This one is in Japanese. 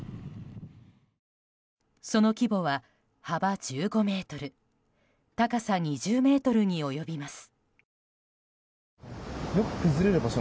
その規模は、幅１５ｍ高さ２０ｍに及びます。